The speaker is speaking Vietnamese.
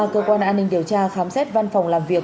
cơ quan an ninh điều tra khám xét văn phòng làm việc